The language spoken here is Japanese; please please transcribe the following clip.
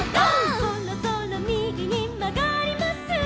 「そろそろひだりにまがります」